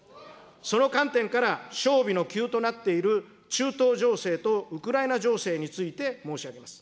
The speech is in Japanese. その観点から、焦眉の急となっている中東情勢とウクライナ情勢について申し上げます。